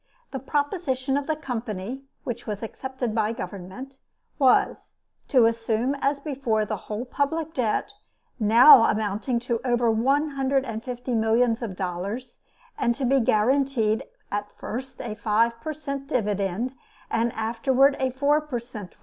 The proposition of the Company, which was accepted by Government, was: to assume as before the whole public debt, now amounting to over one hundred and fifty millions of dollars; and to be guaranteed at first a five per cent. dividend, and afterward a four per cent.